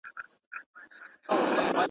زما یې په تیارو پسي تیارې پر تندي کښلي دي!